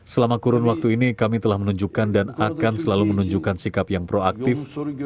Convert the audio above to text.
selama kurun waktu ini kami telah menunjukkan dan akan selalu menunjukkan sikap yang proaktif